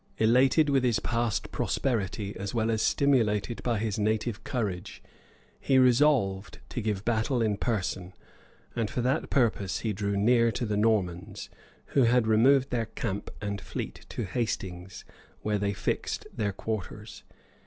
Elated with his past prosperity, as well as stimulated by his native courage, he resolved to give battle in person; and for that purpose he drew near to the Normans, who had removed their camp and fleet to Hastings, where they fixed their quarters.